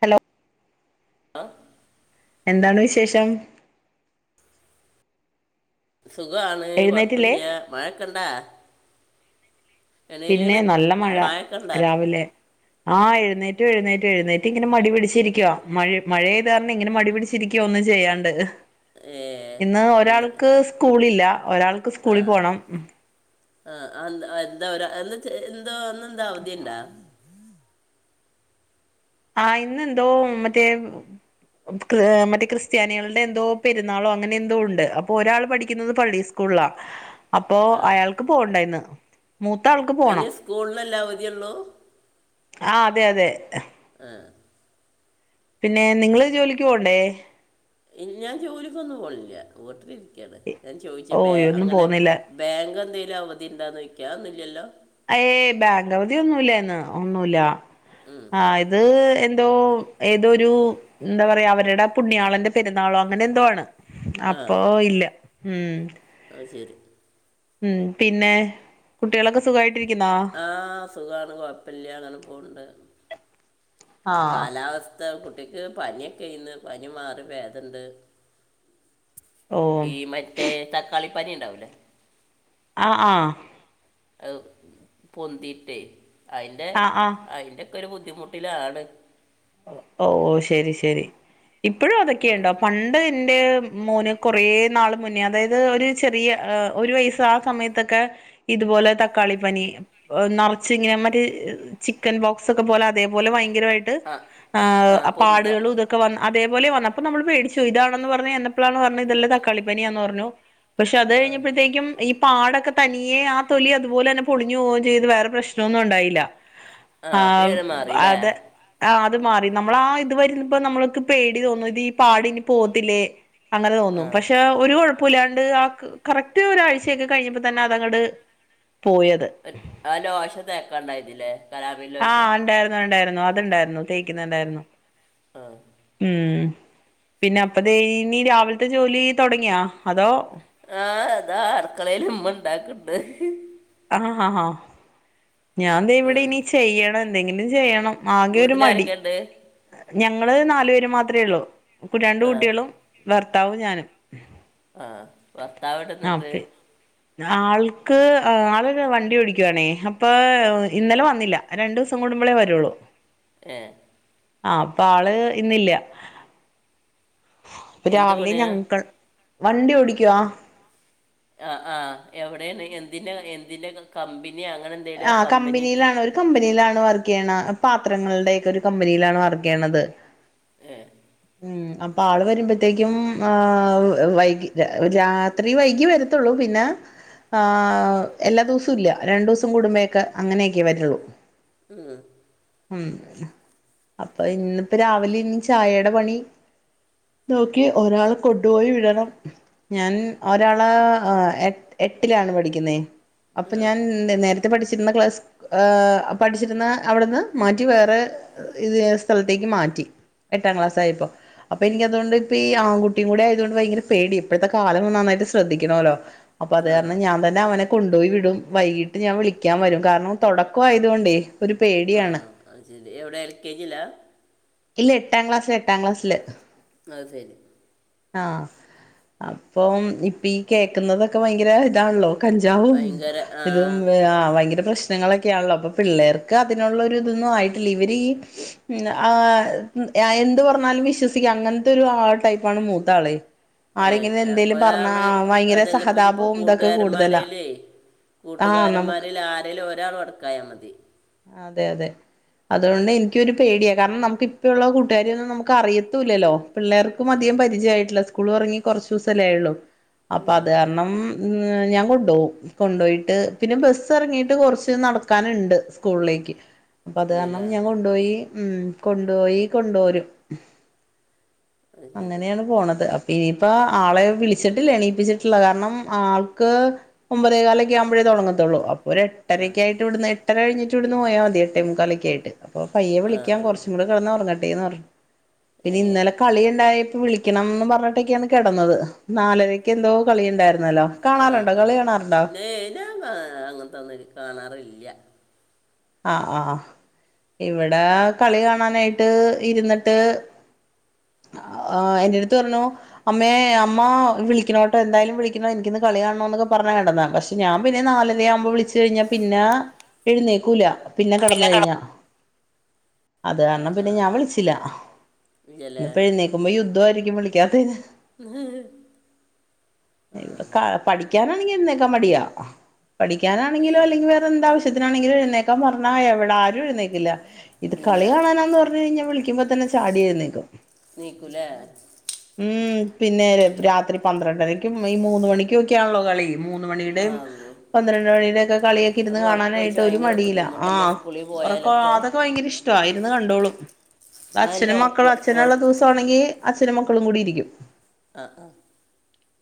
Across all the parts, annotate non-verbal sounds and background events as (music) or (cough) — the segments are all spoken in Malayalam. ഹലോ ആഹ് എന്താണ് വിശേഷം സുഖാണ് എഴുന്നേറ്റില്ലേ കൊഴപ്പല്ല്യ മഴക്കണ്ടാ പിന്നെ നല്ല മഴ എഴുനേറ്റിക്കണ് മായൊക്കെണ്ടാ രാവിലെ ആഹ് എഴുന്നേറ്റ എഴുന്നേറ്റും എഴുന്നേറ്റ് ഇങ്ങനെ മടി പിടിച്ചിരിക്കുവാ മഴ മഴ്താരണം ഇങ്ങനെ മടി പിടിച്ച രിക്ക ഒന്നും ചെയ്യാണ്ട് ഏ ഇന്ന് എന്ത്- ഒരാൾക്ക് സ്കൂലില്ല ഒരാൾക്ക് സ്കൂളി പോണം ആഹ് എന്താ എന്തോ ഒര അ എന്താ അവധിയ ഇണ്ടാ ആഹ് ഇന്നെന്തോ മറ്റേ മറ്റേ ക്രിസ്ത്യാനികളുടെ എന്തോ പെരുന്നാളോ അങ്ങനെ എന്തോ ഉണ്ട് അപ്പോ ഒരാൾ പഠിക്കുന്നത് പള്ളി സ്കൂളിലാ അപ്പോ ആ അയാൾക്ക് പോണ്ട ഇന്ന് മൂത്ത ആൾക്ക് പോണം സ്കൂളിൽ എല്ല അവധി ഉള്ളൂ ആഹ് അതെ അതെ ആഹ് പിന്നെ നിങ്ങള് ജോലിക്ക് പോകണ്ടേ ഞാൻ ജോലിക്കൊന്നും പോനില്ല വീട്ടിലിരിക്കാണ് ഞാൻ ചോദിച്ച ബേ ഓയ് ഒന്നും അങ്ങനെ പോന്നില്ല ബാങ്ക് ന്തെങ്കിലും അവധി ണ്ടാന്ന് ചോയ്ക്കാ അതൊന്നുല്ലല്ലോ ഏ ബാങ്ക് വതി ഒന്നുമല്ലന്ന് ഒന്നുല്ല ഉം. ആഹ് അത് എന്തോ ഏതോരു എന്താ പറയാ അവരുടെ പുണ്യാളന്റെ പെരുന്നാളോ അങ്ങനെ എന്തോ വാണ് ആ അപ്പൊ ഇല്ല ഉം അത് ശരി ഉം പിന്നെ കുട്ടികളൊക്കെ സുഖമായിട്ടിരിക്കുന്നാ ആ സുഖാണ് കുഴപ്പല്ല ങ്ങനെ പോണ് ണ്ട് ആഹ് കാലാവസ്ഥ കുട്ടിക്ക് പനിയൊക്കെയിന്ന് പനി മാറി ഭേദണ്ട് ഓ ഈ മറ്റേ തക്കാളിപ്പനി ണ്ടാവൂലെ ആ ആഹ് പൊന്തിട്ടേ അയ്ൻ്റെ ആ ആ അയിന്റെക്കെ ഒരു ബുദ്ധിമുട്ടിലാണ് ഓ ഓ ശരി ശരി ഇപ്പോഴും അതൊക്കെ ഉണ്ടോ പണ്ട് ന്റെ മോന് കൊറേ നാള് മുന്നേ അതായത് ഒരു ചെറിയ ഒരു വയസ് ആ സമയത്തൊക്കെ ഇതുപോലെ തക്കാളിപ്പനി നറച്ചിങ്ങനെ മറ്റ ചിക്കൻബോക്സ് പോലെ അതേപോലെ ഭയങ്കരായിട്ട് ആ ആ പൊന്ത പാട്കള് ഇത് ക്ക അതേപോലെ വന്ന് അപ്പ നമ്മ പേടിച്ചു ഇതാണെന്ന് പറഞ്ഞു എന്നപ്പോളാണ് പറഞ്ഞ ഇതെല്ല തക്കളിപ്പനിയാന്ന് പറഞ്ഞു പക്ഷെ അത് ആ കഴിഞ്ഞപ്പോഴത്തേക്കും ഈ പാടൊക്കെ തനിയെ ആ തൊലി അതുപോലെ തന്നെ പൊളിഞ്ഞു പോവുകയും ചെയ്ത് വേറെ പ്രശ്നൊന്നും ണ്ടായില്ല ആ അപ്പം ആഹ് ഞാൻ മാറിയില്ലേ അതെ ആ അത് മാറി നമ്മള ആ ഇത് വരുന്ന ഇപ്പോ നമ്മൾക്ക് പേടി തോന്നും ഇത് ഈ പാട് ഇനി പോത്തില്ലേ അങ്ങനെ ആ തോന്നും പക്ഷെ ഒരുകൊഴ പുലാണ്ട് ആ കറക്റ്റ് ഒരാഴ്ചയൊക്കെ കഴിഞ്ഞപ്പോൾ തന്നെ അതങ്ങട് പോയത് ആ ലോഷത്തെക്കാണ്ട യിന്നില്ലേ ആഹ് ണ്ടായിരുന്നു ണ്ടായിരുന്നു അത്ണ്ടായിരുന്നു തേക്കുന്നുണ്ടായിരുന്നു ആഹ് ഉം പിന്നെ അപ്പതേ നീ രാവിലത്തെ ജോലി തുടങ്ങിയാ അതോ ആഹ് ദാ അടുക്കളേല് ഇമ്മ ഇണ്ടാക്ണ്ട് ആഹ് ആഹ് ഞാൻ ദേ ആ ഇവിടെ ഇനി ചെയ്യണം എന്തെങ്കിലും ചെയ്യണം ആകെ ഒരു മടി വീട്ടിലാരൊക്കെയുണ്ട് ഞങ്ങള് നാലു പേര് മാത്രേ ഉള്ളൂ രണ്ട് ആ കുട്ടികളും ഭർത്താവും ഞാനും ആഹ് ഭർത്താവേവിടെ ന്നിട്ട് അപ്പെ ആൾക്ക് ആളൊരു വണ്ടി ഓടിക്കുവാണേ അപ്പോ ഇന്നലെ വന്നില്ല രണ്ട് ദിവസം കൂടുമ്പളേ വരുള്ളൂ (inaudible) ഏഹ് ആഹ് അപ്പൊ ആള് ഇന്നില്ല അപ്പൊ എന്ത് രാവിലെ പണിയാ ഞങ്ങങ്കൾ വണ്ടി ഓടിക്കുവാ ആഹ് ആഹ് എവിടെയാണ് എന്തിൻ്റെ എന്തിൻ്റെ കമ്പനി അങ്ങന ആഹ് കമ്പനിയിലാണ് ഒരു കമ്പനിയിലാണ് വർക്ക് ചെയ്യണ പാത്രങ്ങളുടെ ഒക്കെ ഒരു കമ്പനിയിലാണ് വർക്ക് ചെയ്യണത് ഏഹ് ഉം അപ്പൊ ആള് വരുമ്പോത്തേക്കും ആഹ് വൈകി ര രാ ത്രി വൈകി വരത്തുള്ളൂ പിന്നെ ആഹ് എല്ലാ ദിവസവും ഇല്ല രണ്ട് ദിവസു കുടുംബൊകെ അങ്ങനൊക്കെ വരുള്ളൂ ഉം ഉം അപ്പൊ ഇന്നിപ്പം രാവിലെ ഇനി ചായേടെ പണി നോക്കിയേ ഒരാളെ കൊണ്ടുപോയി വിടണം ഞാൻ ഒരാളാ എട്ട് എട്ടിലാണ് പഠിക്കുന്നേ അപ്പൊ ആ ഞാൻ നേര ത്തെ പഠിച്ചിരുന്ന ക്ലാസ് ഏഹ് പഠിച്ചിരുന്ന അവിടുന്ന് മാറ്റി വേറെ ഇതേ സ്ഥലത്തേക്ക് മാറ്റി എട്ടാം ക്ലാസ്സായപ്പോ അപ്പൊ എനിക്ക് അത്കൊണ്ട് ഇപ്പോ ഈ ആൺകുട്ടിയും കൂടെയായതുകൊണ്ട് ഭയങ്കര പേടി ഇപ്പോഴത്തെ കാലം നന്നായിട്ട് ശ്രദ്ധിക്കണമല്ലോ അപ്പൊ അത് ആ കാരണം ഞാൻ തന്നെ അവനെ കൊണ്ട്പോയി വിടും വൈകീട്ട് ഞാൻ വിളി ക്കാൻ വരും കാരണം തുടക്കായതുകൊണ്ടേ ഒരു പേടിയാണ് ആഹ് ശരി എവിടെ എൽ കെ ജിയിലാ ഇല്ല എട്ടാം ക്ലാസില് എട്ടാം ക്ലാസില് അത് ശരി ആഹ് അപ്പം ഇപ്പീ കേക്കുന്നതൊക്കെ ഭയങ്കര ഇതാണല്ലോ കഞ്ചാവും ഭയങ്കര ആ ഇതും ആഹ് ഭയങ്കര പ്രശ് നങ്ങളൊക്കെയാണല്ലോ അപ്പൊ പിള്ളേർക്ക് അതിനുള്ള ഒരു ഇതൊന്നും ആയിട്ടില്ല ഇവര് ഈ ആ എന്ത് പറഞ്ഞാലും വിശ്വസിക്കാം അങ്ങനത്തെ ഒരു ആ ടൈപ്പാണ് മൂത്താളെ ഏഹ് ഒരാള് ഭയങ്കര അതെല്ലപിന്നിപ്പോ സഹതാപവും ഇതൊക്കെ കൂടുതലാ കൂട്ടുകാരന്മാരയിലെ ആഹ് നമുക്ക് കൂട്ടുകാരന്മാരിൽ ആരേലും ഒരാൾ ബെടക്കായാൽ മതി അതെ അതെ അതുകൊണ്ട് എനിക്കൊരു പേടിയാ കാരണം നമുക്ക് ഇപ്പ ഉള്ള കൂട്ടുകാരെയൊന്നും നമുക്ക് അറിയത്തൂല്ലല്ലോ പിള്ളേർക്കും അധികം പരിചയമായിട്ടില്ല സ്കൂൾ തൊറങ്ങി കുറച്ച് ദിവസല്ലേ ആയുള്ളു അപ്പൊ ആ അത് കാരണം ഞാൻ കൊണ്ടുപോകും കൊണ്ടുപോയിട്ട് പിന്നെ ബസ്സ് ഇറങ്ങിട്ട് കുറച്ച് നടക്കാനുണ്ട് സ്കൂളിലേക്ക് അപ്പം അത് കാരണം ഉണ്ടല്ലേ ഞാൻ കൊണ്ടുപോയി ഉം കൊണ്ടുപോയി കൊണ്ടുപോരും അത് ശരി അങ്ങനെയാണ് പോണത് ഇനിയിപ്പ ആളെ വിളിച്ചിട്ടില്ല എണീപ്പിച്ചിട്ടില്ല കാരണം ആൾക്ക് ഒമ്പതേകാലൊക്കെ ആകുമ്പഴേ തൊടങ്ങത്തോള്ളൂ അപ് ഒരു ആ എട്ടരക്കായിട്ട് ഇവിടുന്ന് എട്ടരകഴിട്ട് വിടുന്ന് പോയാൽ മതി എട്ടേമുക്കാലൊക്ക ആയിട്ട് അപ്പൊ പയ്യെ ആ വിളിക്കാം ആ കുറച്ചും കൂടെ കിടന്നുറങ്ങട്ടെന്ന് പറഞ്ഞു ഏ പിന്നെ ഇന്നലെ കളി ഉണ്ടായപോ വിളിക്കണന്ന് പറഞ്ഞിട്ടൊക്കെയാണ് കിടന്നത് നാലരക്ക് എന്തോ കളി ഉണ്ടായിരുന്നല്ലോ ആ കാണാറുണ്ടോ ആ കളി കാണാറുണ്ടോ നേ ഞാൻ ങാ അങ്ങനെത്തോന്നും കാണാറില്യ ആഹ് ആഹ് ആഹ് ഇവിടെ കളി കാണാനായിട്ട് ഇരുന്നിട്ട് ആഹ് എന്റെടുത്ത് പറഞ്ഞു അമ്മേ അമ്മ വിളിക്കണോട്ടോ എന്തായാലും വിളിക്കണോ എനിക്കിന്ന് കളി കാണോന്നൊക്കെ പറഞ്ഞ കിടന്നെ പക് ഞാൻ പിന്നെ നാലര ആവുമ്പോൾ വിളിച്ചു കഴിഞ്ഞാൽ പിന്നെ എഴുന്നേ ൽക്കൂല പിന്നെ കിടന്ന് കഴിഞ്ഞ അത് ആ കാരണം ആ പിന്നെ ഞാൻ വിളിച്ചില്ല ഇല്ലല്ലേ ഇന്ന്പ്പോ എഴുന്നേക്കുമ്പോ യുദ്ധമായിരിക്കും വിളിക്കാത്തതിന് ആഹ് പഠിക്കാനാണെങ്കിൽ എഴ്ന്നേൽക്കാൻ മടിയാ ഏ പഠിക്കാനാണെങ്കിലോ അല്ലെങ്കിൽ വേറെ എന്താവശ്യത്തിനാണെങ്കിലോ ഏഴ്ന്നേൽക്കാൻ പറഞ്ഞ എവിടാ ആരും എഴുന്നേക്കില്ല. ഇത് ഇല്ല കളി കാണാനാന്ന് പറഞ് കഴിഞ്ഞ വിളിക്കുമ്പോ പ്പോ തന്നെ ചാടി എഴ്നേൽക്കും ണീക്കുലെ ഉം പിന്നെ രാത്രി പന്ത്രണ്ടരയ്ക്കും ഈ മൂന്ന് മണിക്കും ഒക്കെയാണല്ലോ കളി മൂന്ന് ആ മണിയുടെയും പന്ത്രണ്ട് മണിയുടെ ഒക്കെ കളിയൊക്കെ ഇരുന്ന് അപ്പോൾ ഉറക്കം ഒഴിച്ച് കാണാനായിട്ട് ഒരു ഭയങ്കര മടിയില്ല ബുദ്ധിമുട്ടല്ലേ ആഹ് സ്കൂളിൽ ഒറക്ക പോയാലൊക്കെ അതൊക്കെ ഭയങ്കര ഇഷ്ട ഇരുന്നു കണ്ടോളും അതല്ല അച്ഛനും മക്കളും ഉറക്ക അച്ഛനുള്ള ഉറക്ക ദിവസാണെങ്കി അച്ഛനും മക്കളും കൂടി ഇരിക്കും ആ ആ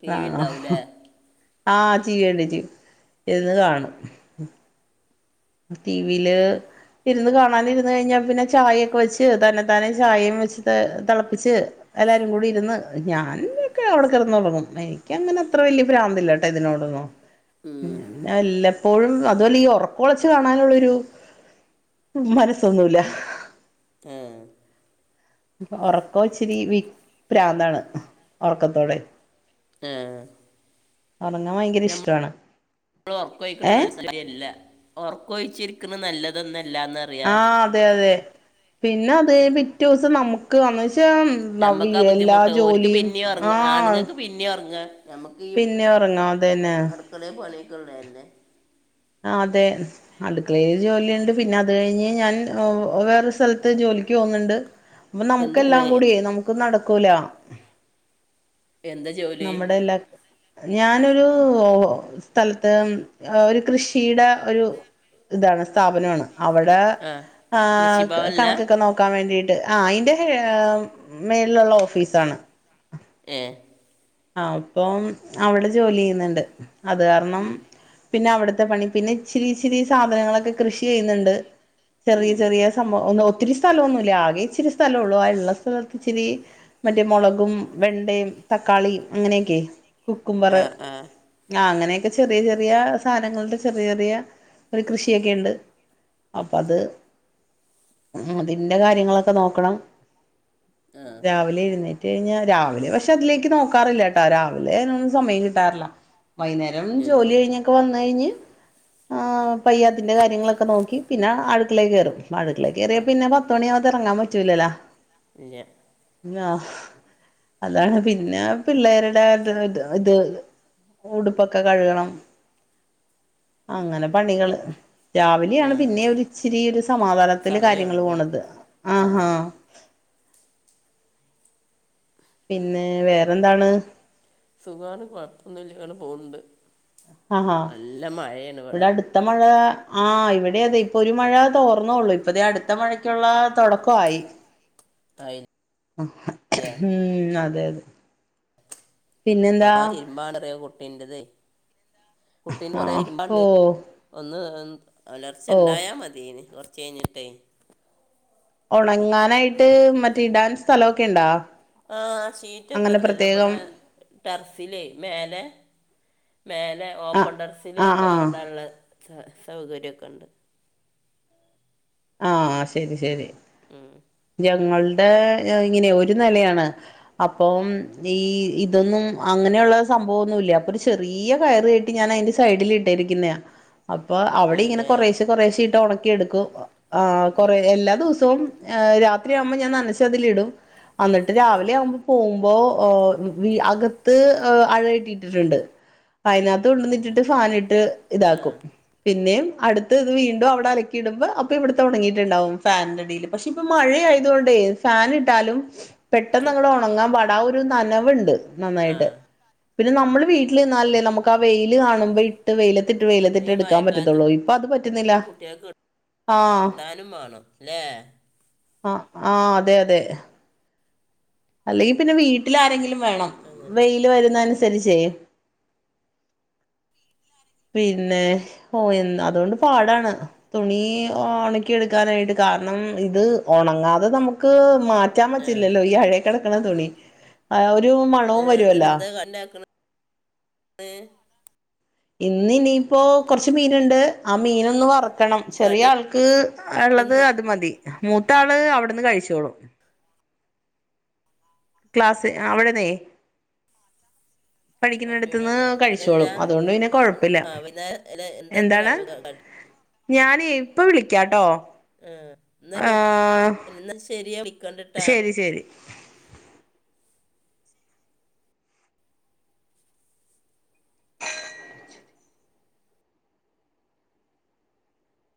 ടി വി ഉണ്ടാവൂലേ ആഹ് ആഹ് ടി വി യുണ്ട് ടി വി ഇരുന്നു കാണും ടീവിയില് ഇരുന്ന് കാണാൻ ഇരുന്ന് കഴിഞ്ഞാൽ പിന്നെ ചായയൊക്കെ വെച്ച് തന്നെ താനെ ചായയും വെച്ച് തിളപ്പിച്ച് എല്ലാരും കൂടി ഇരുന്ന് ഞാനൻക്കെ അവിടെ കിടന്നുറങ്ങും എനിക്കങ്ങനെ അത്ര വലിയ പ്രാന്തില്ല ഇതിനോടൊന്നും. ഉം ന്നെ വല്ലപ്പോഴും അതുല്ല ഈ ഒറ ഒളിച്ചു കാണാനുള്ളൊരു മനസ്സൊന്നുല്ല. ഏഹ്. ഒറക്കൊച്ചിരി വി പ്രാന്താണ്. ഉറക്കത്തോടെ. ആ ഒറങ്ങാൻ ഭയങ്കര ഇഷ്ടാണ്. ഉറക്കോയ്ക്കണത് ശെരിയല്ല. ഉറക്കൊഴിച്ചിരിക്കണ നല്ലതൊന്നല്ലാ ന്ന്. ആഹ്. തെ തെ പിന്നെ അത് പിറ്റേ സം നമുക്ക് ന്ന് ച്ചാ ഞമ്മക്കാ ബുദ്ധിമുട്ട്. ഓര്ക്ക് പിന്നെ ഉറങ്ങാ. ആഹ് ആണുങ്ങൾക്ക് പിന്നിം ഉറങ്ങ. ഞമ്മക്കീ പിന്നെ ഉറങ്ങാം അതന്നെ അടുക്കളേ പണിയൊക്കെ ള്ളല്ലെ. ആഹ് തെ. അടുക്കളയില് ജോലിയുണ്ട്. പിന്നെ അത് കഴിഞ്ഞ് ഞാൻ വേറെ സ്ഥലത്ത് ജോലിക്ക് പോകുന്നുണ്ട്. അപ്പൊ എന്താണ് നമുക്കെല്ലാം കൂടി നമുക്ക് നടക്കൂല. എന്താ ജോലി നമ്മുടെ എല്ലാ ഞാനൊരു സ്ഥലത്ത് ഒരു കൃഷിടെ ഒരു താണ്. സ്ഥാപനാണ്. അവിടെ ആ ആഹ് കൃഷിഭവനില കണക്കൊക്കെ നോ ക്കാ വേണ്ടിട്ട്. ആഹ് അയിൻ്റെ മേലിലുള്ള ഓഫീസാണ്. ഏഹ് അപ്പം അവിടെ ജോലി ചെയ്യുന്നുണ്ട്. അത് കാരണം ഉം. പിന്നെ അവിടുത്തെ പണി. പിന്നെ ഇച്ചിരി ഇച്ചിരി സാധനങ്ങളൊക്കെ കൃഷി ചെയ്യുന്നുണ്ട്. ഉം. ചെറിയ ചെറിയ സംഭവ ഒത്തിരി സ്ഥലമൊന്നുല്യ. ആകെ ഇച്ചിരി സ്ഥല ള്ളൂ. ആ ള്ള സ്ഥലത്ത് ഇച്ചിരി മറ്റേ മുളകും വെണ്ടേം തക്കാളീം അങ്ങനെയൊക്കെ ആ കുക്കുംബറ് ആ ആഹ് അങ്ങനെയൊക്കെ ചെറിയ ചെറിയ സാധനങ്ങളുടെ ചെറിയ ചെറിയ ഒരു കൃഷിയൊക്കെ ഉണ്ട്. അപ്പ ത് അതിന്റെ കാര്യങ്ങളൊക്കെ നോക്കണം. ആ രാവിലെ എഴ്ന്നേറ്റ് കഴിഞ്ഞാ രാവിലെ പക്ഷെ അതിലേക്ക് നോക്കാറില്ല. ട്ടൊ. രാവിലെഅയ്നൊന്നും സമയം കിട്ടാറില്ല. വൈന്നേരം ഇല്ലല്ലേ ജോലി കഴിഞ്ഞാ ഒക്കെ വന്ന് കഴിഞ്ഞ് ആ പയ്യെ അതിന്റെ കാര്യങ്ങളൊക്കെ നോക്കി പിന്നെ അടുക്കളെ കേറും. അടുക്കളേൽ ആ കേറിയാ പിന്നെ പത്തുമണിയാവാതെ ഇറങ്ങാൻ പറ്റൂലല്ലോ. ഇല്യ. ആഹ്. അതാണ് പി പിന്നെ പിള്ളേരുടെ ഇത് ത് ഉടുപ്പൊക്കെ കഴുകണം. അങ്ങനെ പണികള്. ആ രാവിലെണ് പിന്നെ ഒര്ച്ചിരി ഒരു സമാധാനത്തില് കാര്യങ്ങള് സമയമുള്ളൂ പോണത്. ആ ആഹ് ആഹ് പിന്നെ വേറെന്താണ്. സുഖാണ്. കുഴപ്പൊന്നില്ല. ഇങ്ങനെ പോണ് ണ്ട്. ആഹ് ഹാ ഇവ്ട ഇവിടെ അടുത്ത മഴ ആഹ് ഇവിടെ അതെ. ഇപ്പൊ ഒരു മഴ തോർന്നള്ളു. ഇപ്പ തെ അടുത്ത മഴക്കുള്ള തുടക്കമായി. ആയി ആഹ് ഉം അതെ തെ. പ തിരുമ്പാണ്ടറിയോ കുട്ടീന്റെത്. കുട്ടീന്റ് ആ കൊറേ ഓ തിരുമ്പാണ്ട്. ഒന്ന് ഒലർച്ച ഓ ണ്ടായാ മതിയേന്. കുറച്ചഴിഞ്ഞിട്ടേ. ഉണങ്ങാനായിട്ട് മറ്റേ ഇടാൻ സ്ഥലക്കെ ണ്ടാ. ആഹ് ഷീറ്റ് ഒക്കെ. അല്ല ബടെ ടെറസിലേ മേലെ മേലെ ആ ഓപ്പണ്ടർസില് ആ ആ തോരിടാൻള്ള സൗകര്യക്കെണ്ട്. ആഹ് ശരി ശരി ഉം. ഞങ്ങളുടെ ഇങ്ങനെ ഒരു നെലയാണ്. അപ്പം ഈ ഇതൊന്നും അങ്ങനെയുള്ള സംഭവോന്നുല്ല അപ്പൊ ഒരു ചെറിയ കയർകെ ട്ടി ഞാൻ അതിന്റെ സൈഡില് ഇട്ടെരിക്കുന്നെയാ അപ്പൊ അവിടെ ഇങ്ങനെ അങ്ങനല്ലേ കൊറേഷെ കൊറേഷെഇട്ട് ഒണക്കിഎടുക്കും. ആ ഉം. കൊറെ എല്ലാ ദിവസവും രാത്രിയാവുമ്പോ ഞാൻ നനച്ചതിലിടും. അന്നിട്ട് ആ രാവിലെ ആവുമ്പം. പോകുമ്പോ അകത്ത് അഴ കെട്ടി ഇട്ടിട്ടിട്ടുണ്ട്. അപ്പ അയിനാത്ത് കൊണ്ടൊന്നിട്ടിട്ട് ഫാനിട്ട്. ആ ഇതാക്കും പിന്നെയും അടുത്ത് ഇത് വീണ്ടും അവിടെ അലക്കിടുമ്പോ അപ്പ് പ്പതിന് ഇവിടത്തെ ഒണങ്ങിയിട്ടുണ്ടാവും ഫാനിന്റടീല് പക്ഷെ ഇപ്പ മഴെ ആയതുകൊണ്ടേ ഫാൻ ഇട്ടാലും. ശരി. പെട്ടെന്നങ്ങട് ഒണങ്ങാൻ പാടാ ആഒരു നനവുണ്ട്. ആ നന്നായിട്ട് പിന്നെ നമ്മള് വീട്ടിൽ നിന്നാലല്ലേ ഉണ്ട്. നമുക്കാവെയില് കാണുമ്പോ ഇട്ട് വെയില ത്തിട്ട് പിന്നെ വെയിലത്തിട്ട് ഈ എടുക്കാ പറ്റത്തുള്ളൂ ഇപ്പൊ അത് പറ്റുന്നില്ല. ആഹ് ടാനും വാണം ല്ലേ. ആ ആ അതെ, അതെ. അല്ലെങ്കി പിന്നെ വീട്ടിലാരെങ്കിലും വേണം അങ്ങനെ വെയില് വരുന്നനുസരിച്ചേ. പിന്നെ ഓ എ അതുകൊണ്ട് പാടാണ്. തുണി ഒണക്കിയെടുക്കാനായിട്ട് കാരണം ഇത് ഒണങ്ങാതെ നമുക്ക് മാ റ്റാൻ ആ പറ്റില്ലല്ലോ ഈ അഴേ കിടക്കണ തുണി ആ ഒരു മണവും വരുവല്ലോ. ന്നാക്കണ്. ഏ ഇന്ന് ഇനിയിപ്പോകുറച്ച് മീനൊണ്ട് ആ മീനൊന്ന് വർ ക്കണം ചെറിയ കടി ആൾക്ക് ഉള്ളത് എന്താ അത് മതി മൂത്ത ആള് അവിടുന്ന് കഴിച്ചോളും. ക്ലാസ് അവിടന്നേ. പഠിക്കന്നടുത്ത്ന്ന് പറ്റൂലല്ലോ അതല്ല കഴിച്ചോളും അതുകൊണ്ട് പിന്നെ കൊഴപ്പില്ല. ആ വൈകുന്നേരം അല്ല എന്താ ഇപ്പൊ എന്താണ്? രാ- ക- കടി ഞാനെ ഇപ്പൊ വിളിക്കാട്ടോ. ആ ആ ന്നയി ന്നാ ശരിഞാ വിളിക്കണ്ട്. ശരി ശരി.